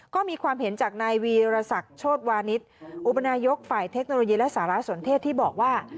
ก็มีความเห็นจากนายวีรศักดิ์โชธวานิสอุปนายกฝ่ายเทคโนโลยีและสารสนเทศที่บอกว่า